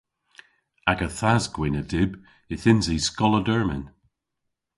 Aga thas-gwynn a dyb yth yns i skoll a dermyn.